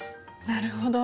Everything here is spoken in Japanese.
なるほど。